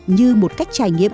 như một cách trải nghiệm